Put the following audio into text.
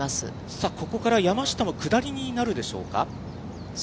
さあ、ここから山下も下りになるでしょうか。